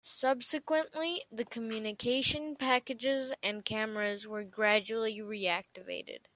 Subsequently, the communication packages and cameras were gradually re-activated.